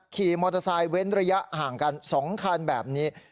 ขี่มอเตอร์ไซค์เว้นระยะห่างกัน๒คันแบบนี้